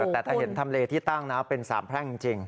แต่ถ้าเห็นทำเลที่ตั้งนะเป็นสามแพร่งจริง